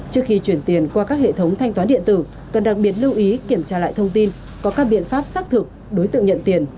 trước khi chuyển tiền qua các hệ thống thanh toán điện tử cần đặc biệt lưu ý kiểm tra lại thông tin có các biện pháp xác thực đối tượng nhận tiền